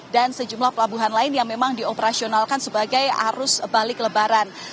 dan sejumlah pelabuhan lain yang memang dioperasionalkan sebagai arus balik lebaran